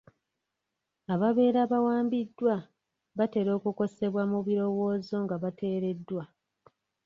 Ababeera bawambiddwa batera okukosebwa mu birowoozo nga bateereddwa.